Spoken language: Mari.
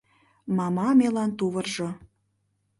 Мама мелан тувыржо